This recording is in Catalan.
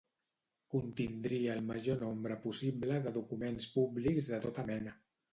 Contindria el major nombre possible de documents públics de tota mena.